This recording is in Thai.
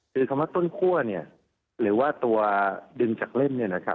คือคำว่าต้นคั่วหรือว่าตัวดึงจากเล่ม